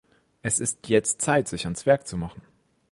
Es ist jetzt Zeit, sich ans Werk zu machen.